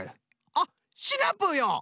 あっシナプーよ！